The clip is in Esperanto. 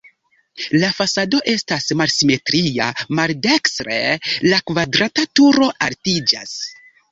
La fasado estas malsimetria, maldekstre la kvadrata turo altiĝas.